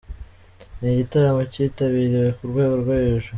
Ni igitaramo cyitabiriwe ku rwego rwo hejuru.